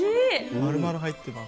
丸々入ってます。